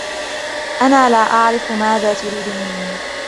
أنا لا أعرف ماذا تريد مني ؟